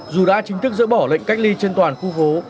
dù đã chính thức dỡ bỏ lệnh cách ly trên toàn khu phố